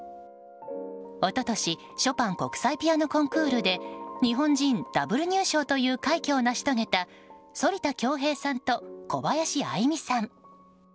一昨年、ショパン国際ピアノコンクールで日本人ダブル入賞という快挙を成し遂げた反田恭平さんと小林愛実さん。